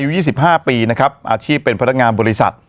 ๒๕ปีนะครับอาชีพเป็นพนักงานบริษัท